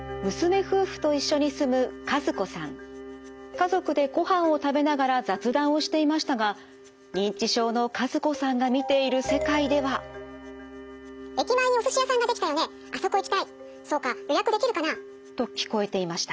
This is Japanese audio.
家族でごはんを食べながら雑談をしていましたが認知症の和子さんが見ている世界では。と聞こえていました。